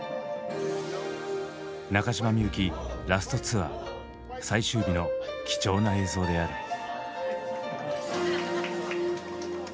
中島みゆきラスト・ツアー最終日の貴重な映像である。